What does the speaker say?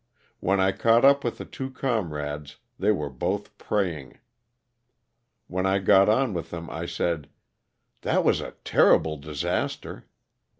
When I caught up with the two comrades they were both praying. When I got on with them I said: ''That was a terrible disaster."